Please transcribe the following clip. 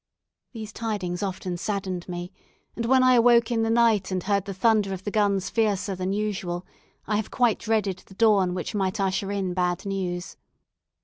These tidings often saddened me, and when I awoke in the night and heard the thunder of the guns fiercer than usual, I have quite dreaded the dawn which might usher in bad news.